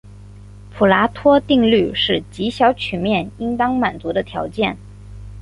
普拉托定律是极小曲面应当满足的条件。